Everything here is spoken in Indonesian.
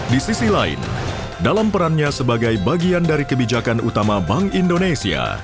di sisi lain dalam perannya sebagai bagian dari kebijakan utama bank indonesia